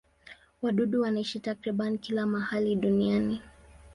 Wadudu wanaishi takriban kila mahali duniani.